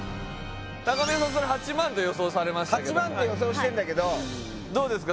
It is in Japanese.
それ８万と予想されましたけど８万と予想してんだけどどうですか？